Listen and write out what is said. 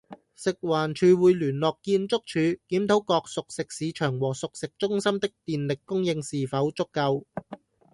食環署會聯絡建築署，檢討各熟食市場和熟食中心的電力供應是否足夠